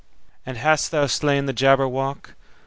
"And hast thou slain the Jabberwock?